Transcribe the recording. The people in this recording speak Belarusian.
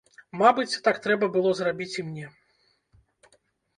Мабыць, так трэба было зрабіць і мне.